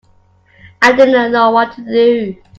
I didn't know what to do.